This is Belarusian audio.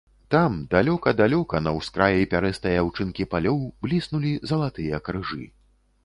Там, далёка-далёка, на ўскраі пярэстай аўчынкі палёў бліснулі залатыя крыжы.